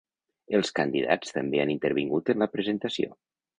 Els candidats també han intervingut en la presentació.